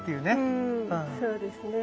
うんそうですね。